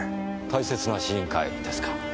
大切な試飲会ですか。